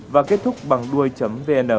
và kết thúc bằng đuôi chấm